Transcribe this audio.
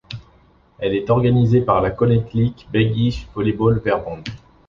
Elle est organisée par la Koninklijk Belgisch Volleybal Verbond.